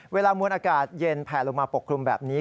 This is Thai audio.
มวลอากาศเย็นแผลลงมาปกคลุมแบบนี้